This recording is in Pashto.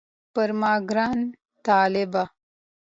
پر ما ګران طالبه